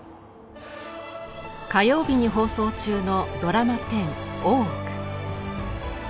火曜日に放送中のドラマ１０「大奥」。